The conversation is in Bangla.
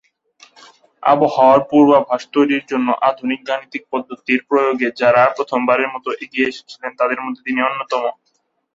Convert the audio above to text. আবহাওয়ার পূর্বাভাস তৈরির জন্য আধুনিক গাণিতিক পদ্ধতির প্রয়োগে যারা প্রথমবারের মত এগিয়ে এসেছিলেন তাদের মধ্যে তিনি অন্যতম।